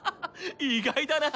意外だな。